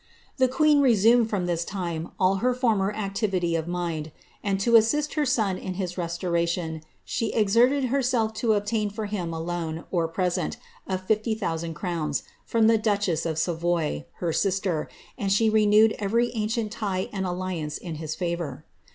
* The queen returned^ from this time, all her former activity of mind ; and to assist her son in his restoration, she exerted heraelf to obtain for him a loan, or present, of fifty thousand crowns, from the duchess of Savoy, her sister, and she renewed every ancient tie and alliance in his favour.